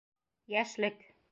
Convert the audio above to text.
Йәшлек!